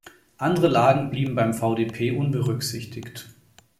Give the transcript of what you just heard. Andere Lagen blieben beim Vdp unberücksichtigt.